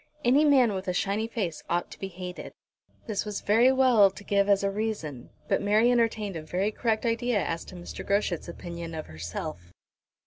Any man with a shiny face ought to be hated." This was very well to give as a reason, but Mary entertained a very correct idea as to Mr. Groschut's opinion of herself.